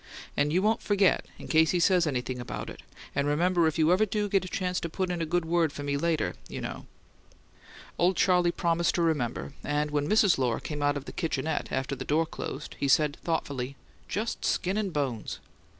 "And you won't forget, in case he says anything about it and remember if you ever do get a chance to put in a good word for me later, you know " Old Charley promised to remember, and, when Mrs. Lohr came out of the "kitchenette," after the door closed, he said thoughtfully, "Just skin and bones."